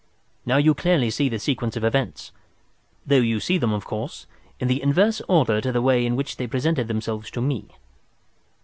Now you clearly see the sequence of events, though you see them, of course, in the inverse order to the way in which they presented themselves to me.